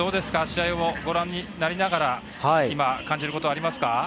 試合ご覧になりながら今、感じることありますか？